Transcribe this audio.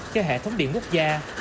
cho hệ thống điện quốc gia